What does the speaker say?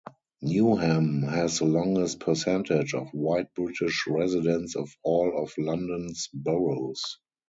Newham has the lowest percentage of White British residents of all of London's boroughs.